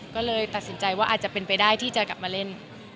ก็เลยตัดสินใจว่าอาจจะเป็นไปได้ที่จะกลับมาเล่น